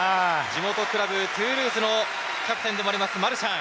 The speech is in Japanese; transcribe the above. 地元クラブ、トゥールーズのキャプテンでもあります、マルシャン。